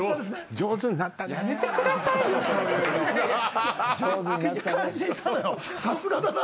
上手になったな。